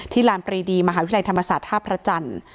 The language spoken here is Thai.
ลานปรีดีมหาวิทยาลัยธรรมศาสตร์ท่าพระจันทร์